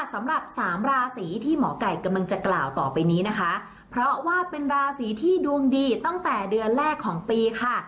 สำหรับสามราศีที่หมอไก่กำลังจะกล่าวต่อไปนี้นะคะเพราะว่าเป็นราศีที่ดวงดีตั้งแต่เดือนแรกของปีค่ะ